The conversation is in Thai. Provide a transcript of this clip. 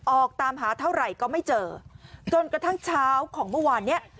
ออกตามหาเท่าไหร่ก็ไม่เจอจนกระทั่งเช้าของเมื่อวานเนี้ย